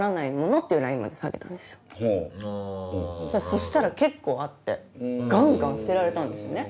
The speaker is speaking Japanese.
そしたら結構あってガンガン捨てられたんですよね。